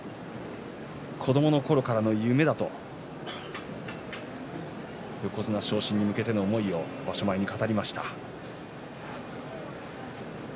子どものころからの夢だと横綱昇進に向けての思いを場所前に語りました。